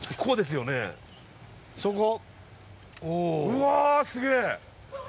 うわすげえ！